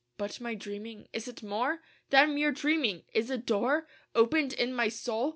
But my dreaming? is it more Than mere dreaming? Is a door Opened in my soul?